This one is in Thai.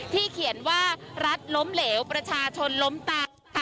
เขียนว่ารัฐล้มเหลวประชาชนล้มตา